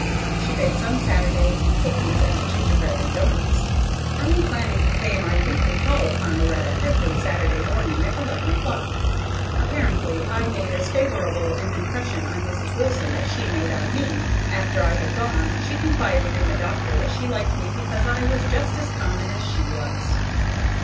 She bakes on Saturday cookies and gingerbread and doughnuts. I am planning to pay my weekly call upon Loretta every Saturday morning at eleven o'clock. Apparently I made as favorable an impression on Mrs. Wilson as she made on me. After I had gone, she confided to the doctor that she liked me because I was just as common as she was.